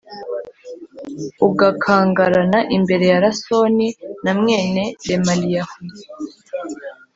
ugakangarana imbere ya Rasoni na mwene Remaliyahu,